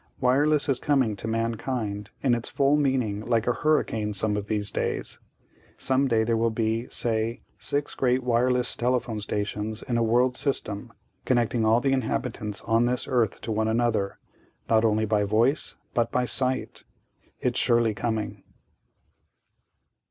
Wireless is coming to mankind in its full meaning like a hurricane some of these days. Some day there will be, say, six great wireless telephone stations in a world system connecting all the inhabitants on this earth to one another, not only by voice, but by sight. It's surely coming."